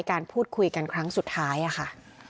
การพูดคุยกันครั้งสุดท้ายค่ะ